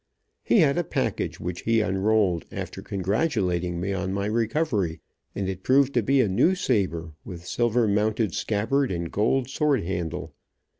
He had a package which he unrolled, after congratulating me on my recovery, and it proved to be a new saber, with silver mounted scabbard and gold sword handle.